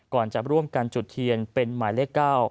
ก่อนจะร่วมกันจุดเทียนเป็นหมายเลข๙